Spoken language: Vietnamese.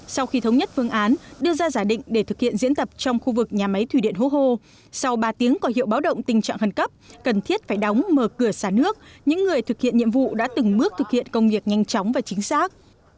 sau khi thống nhất phương án đưa ra giả định để thực hiện diễn tập trong khu vực nhà máy thủy điện hố hô sau ba tiếng có hiệu báo động tình trạng khẩn cấp cần thiết phải đóng mở cửa xà nước những người thực hiện nhiệm vụ đã từng bước thực hiện công việc nhanh chóng và chính xác